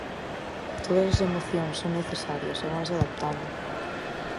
Todas as emocións "son necesarias" e vanse "adaptando".